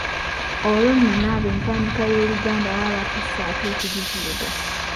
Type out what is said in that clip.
Olwo nno nabo empandiika y’Oluganda baba batuuse ate okugivuluga.